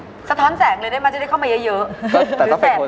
สะท้อนแสงเลยได้มันจะได้เข้ามาเยอะ